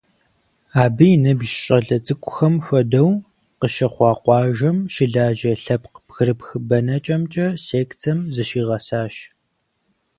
Абы и ныбжь щӏалэ цӏыкӏухэм хуэдэу, къыщыхъуа къуажэм щылажьэ лъэпкъ бгырыпх бэнэкӏэмкӏэ секцэм зыщигъэсащ.